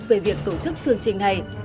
về việc tổ chức chương trình này